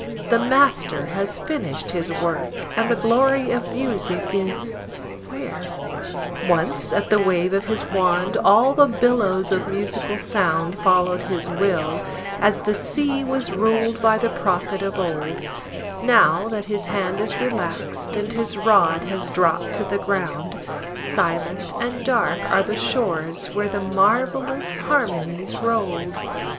The Master has finished his work, and the glory of music is where? Once, at the wave of his wand, all the billows of musical sound Followed his will, as the sea was ruled by the prophet of old: Now that his hand is relaxed, and his rod has dropped to the ground, Silent and dark are the shores where the mar vellous harmonies rolled!